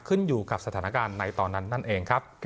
ขึ้นอยู่กับสถานการณ์ในตอนนั้นนั่นเองครับ